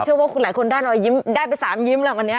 ว่าคุณหลายคนได้รอยยิ้มได้ไป๓ยิ้มแล้ววันนี้